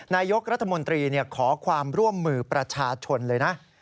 นายกรัฐมนตรีขอความร่วมมือประชาชนเลยนะ